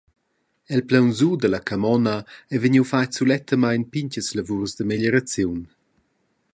El plaun sura dalla camona ei vegniu fatg sulettamein pintgas lavurs da meglieraziun.